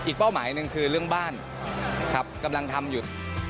เป้าหมายหนึ่งคือเรื่องบ้านครับกำลังทำอยู่